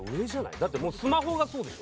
だってもうスマホがそうでしょ？